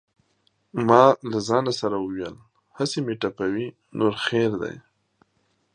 ما له ځانه سره وویل: هسې مې ټپوي نور خیر دی.